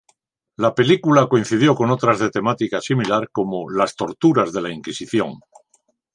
La película coincidió con otras de temática similar como "Las torturas de la inquisición".